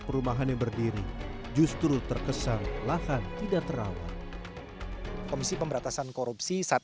perumahan yang berdiri justru terkesan lahan tidak terawat komisi pemberatasan korupsi saat